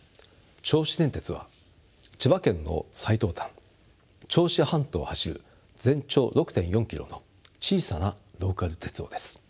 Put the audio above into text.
銚子電鉄は千葉県の最東端銚子半島を走る全長６．４ｋｍの小さなローカル鉄道です。